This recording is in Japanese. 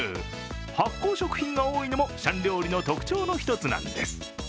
発酵食品が多いのも、シャン料理の特徴の一つなんです。